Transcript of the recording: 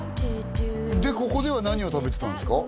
ここでは何を食べてたんすか？